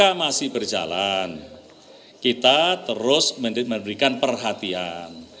kita masih berjalan kita terus memberikan perhatian